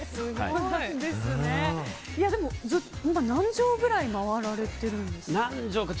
でも、今何城ぐらい回られているんですか？